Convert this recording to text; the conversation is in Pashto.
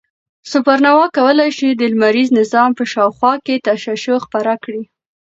سوپرنووا کولای شي د لمریز نظام په شاوخوا کې تشعشع خپره کړي.